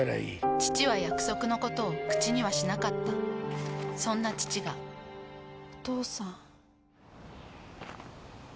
父は約束のことを口にはしなかったそんな父がお父さん。